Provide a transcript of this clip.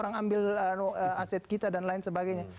orang ambil aset kita dan lain sebagainya